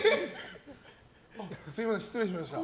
すみません、失礼しました。